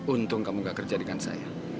untung kamu gak kerja dengan saya